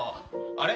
あれ？